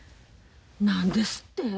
何ですって？